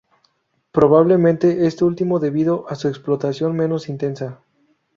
Probablemente, esto último, debido a su explotación menos intensa.